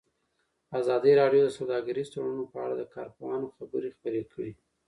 ازادي راډیو د سوداګریز تړونونه په اړه د کارپوهانو خبرې خپرې کړي.